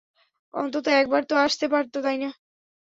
অন্তত একবার তো আসতে পারতো, তাই না।